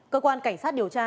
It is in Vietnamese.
cơ quan cảnh sát điều tra